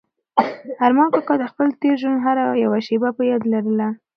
ارمان کاکا د خپل تېر ژوند هره یوه شېبه په یاد لرله.